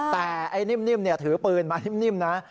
แต่ไอ้นิ่มถือปืนมานิ่มนะ